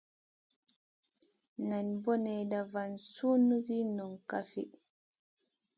Nan bonenda vat sui nʼongue Noy.